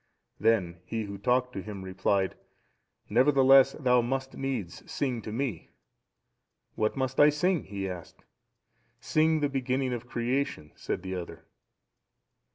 Then he who talked to him replied, "Nevertheless thou must needs sing to me." "What must I sing?" he asked. "Sing the beginning of creation," said the other.